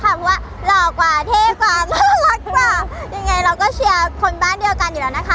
เพราะว่าหล่อกว่าเท่กว่าน่ารักกว่ายังไงเราก็เชียร์คนบ้านเดียวกันอยู่แล้วนะคะ